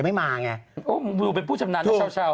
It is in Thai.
โอ้มึงอยู่เป็นผู้ชำนาญเช่า